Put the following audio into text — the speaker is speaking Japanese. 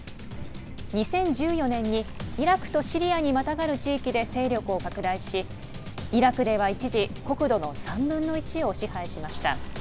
２０１４年にイラクとシリアにまたがる地域で勢力を拡大しイラクでは一時国土の３分の１を支配しました。